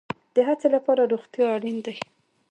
د هڅې لپاره روغتیا اړین ده